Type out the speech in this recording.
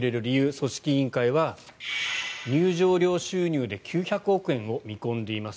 組織委員会は入場料収入で９００億円を見込んでいます。